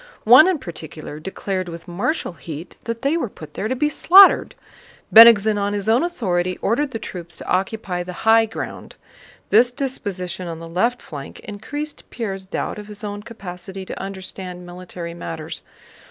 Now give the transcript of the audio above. One in particular declared with martial heat that they were put there to be slaughtered. Bennigsen on his own authority ordered the troops to occupy the high ground. This disposition on the left flank increased Pierre's doubt of his own capacity to understand military matters.